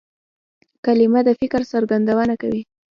کلیمه د فکر څرګندونه کوي.